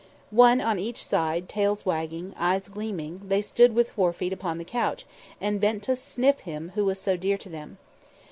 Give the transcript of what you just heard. One on each side, tails wagging, eyes gleaming, they stood with fore feet upon the couch and bent to sniff Him who was so dear to them.